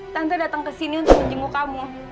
tante datang ke sini untuk menjenguk kamu